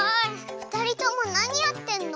ふたりともなにやってんの？